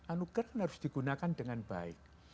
anugerah harus digunakan dengan baik